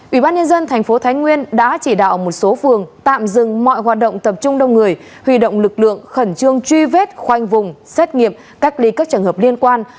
ủy ban nhân dân thành phố thái nguyên đã chỉ đạo một số phường tạm dừng mọi hoạt động tập trung đông người huy động lực lượng khẩn trương truy vết khoanh vùng xét nghiệm cách ly các trường hợp liên quan